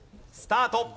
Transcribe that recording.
スタート！